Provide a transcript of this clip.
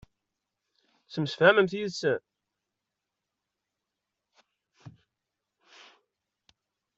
Tettemsefhamemt yid-sen?